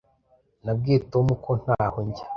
Nabwiye Tom ko ntaho njya.